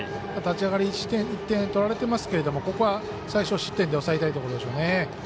立ち上がり、１点取られてますがここは最少失点で抑えたいところでしょうね。